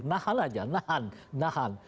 nahan aja nahan